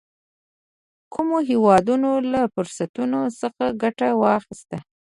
کومو هېوادونو له فرصتونو څخه ګټه واخیسته.